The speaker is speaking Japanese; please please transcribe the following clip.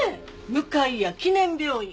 向谷記念病院。